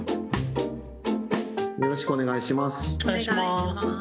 よろしくお願いします。